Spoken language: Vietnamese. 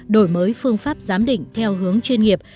đổi mới phương pháp giám định theo hướng chuyên nghiệp